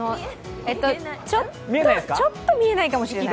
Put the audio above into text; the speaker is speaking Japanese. ちょっと見えないかもしれない。